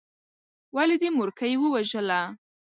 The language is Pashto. ولې دې مورکۍ ووژله.